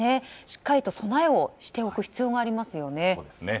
しっかり備えをしておく必要がありますね。